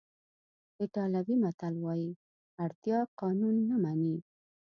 ایټالوي متل وایي اړتیا قانون نه مني.